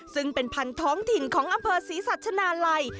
ซึ่งเป็นพันธุ์ท้องถิ่นของอำเภอศรีสัชนาลัย